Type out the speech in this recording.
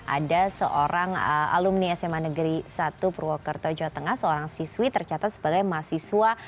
ada seorang alumni sma negeri satu purwokerto jawa tengah seorang siswi tercatat sebagai mahasiswa